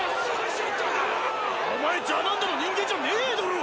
お前ジャナンダの人間じゃねーだろ！